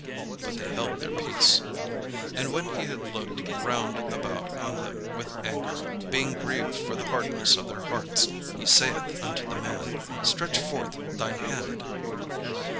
But they held their peace. And when he had looked round about on them with anger, being grieved for the hardness of their hearts, he saith unto the man: "Stretch forth thine hand."